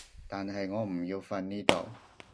但係我唔要瞓呢度